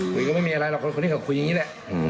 คุยก็ไม่มีอะไรหรอกคนที่เขาคุยอย่างนี้แหละ